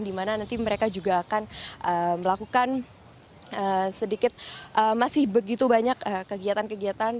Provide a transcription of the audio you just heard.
di mana nanti mereka juga akan melakukan sedikit masih begitu banyak kegiatan kegiatan